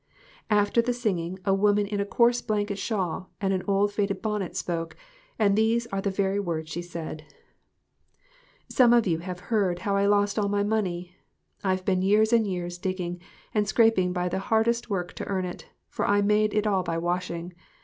After the singing, a woman in a coarse blanket shawl and an old faded bonnet spoke, and these are the very words she said "Some of you have heard how I lost all my money. I've been years and years digging and scraping by the hardest work to earn it, for I made it all by washing.